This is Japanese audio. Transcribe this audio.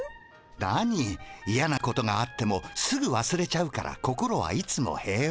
なにイヤなことがあってもすぐわすれちゃうから心はいつも平和。